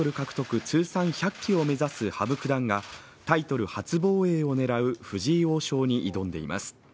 通算１００期を目指す羽生九段がタイトル初防衛を狙う藤井王将に挑んでいます